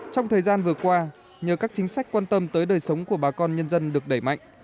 trong thời gian vừa qua nhờ các chính sách quan tâm tới đời sống của bà con nhân dân được đẩy mạnh